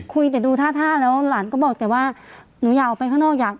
คุยแต่ดูท่าแล้วหลานก็บอกแต่ว่าหนูอยากออกไปข้างนอกอยาก